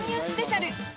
スペシャル。